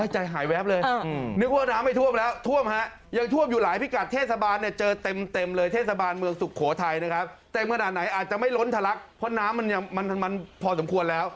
ไหนอาจจะไม่ล้นทะลักพอน้ำมันมันพอสมควรแล้ว